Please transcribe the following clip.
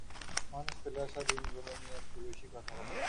মানুষ ফেলে আসা দিনগুলো নিয়ে একটু বেশিই কথা বলে।